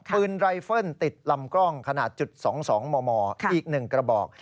ไรเฟิลติดลำกล้องขนาดจุด๒๒มอีก๑กระบอก